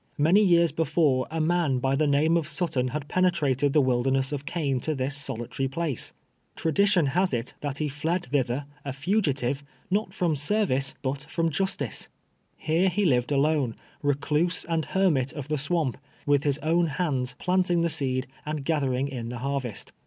Many yeai*s before, a man by the name of Sutton had penetrated the wilder ness of cane to this solitary place. Tradition has it. 154: TWELVE TEAKS A SLATE. lluit lie iled tliitlicr, a fugitive, ii<:>t from service, "but from justice. Jlere he lived alone — recluse and her mit of the swamp — with his own hands planlin<^ the seed and i^atherino; in the harvest.